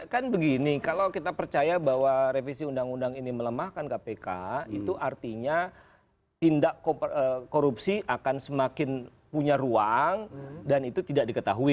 kan begini kalau kita percaya bahwa revisi undang undang ini melemahkan kpk itu artinya tindak korupsi akan semakin punya ruang dan itu tidak diketahui